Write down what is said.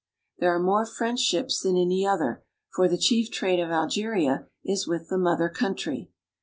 There are more French ships than any other, for the chief trade of Algeria is with the mother country.